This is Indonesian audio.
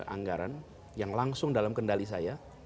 anggaran yang langsung dalam kendali saya